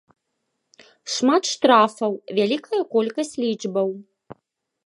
Шмат штрафаў, вялікая колькасць лічбаў.